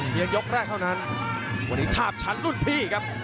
ยกแรกเท่านั้นวันนี้ทาบชั้นรุ่นพี่ครับ